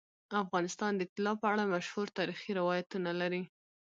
افغانستان د طلا په اړه مشهور تاریخی روایتونه لري.